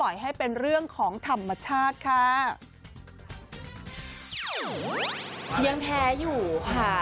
ยังแท้อยู่ค่ะ